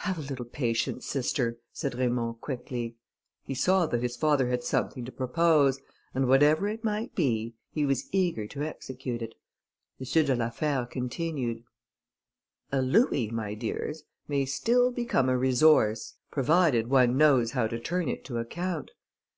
"Have a little patience, sister," said Raymond, quickly. He saw that his father had something to propose, and whatever it might be, he was eager to execute it. M. de la Fère continued "A louis, my dears, may still become a resource, provided one knows how to turn it to account.